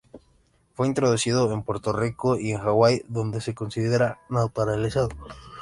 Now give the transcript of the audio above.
Fue introducido en Puerto Rico y en Hawái, donde se considera naturalizado.